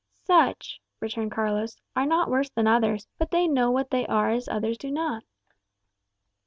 "Such," returned Carlos, "are not worse than others; but they know what they are as others do not."